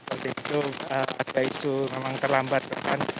ada isu memang terlambat kan